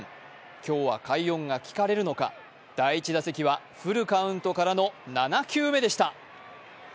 今日は快音が聞かれるのか第１打席はフルカウントからの７球目でした。